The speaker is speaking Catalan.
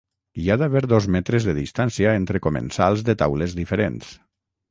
Hi ha d’haver dos metres de distància entre comensals de taules diferents.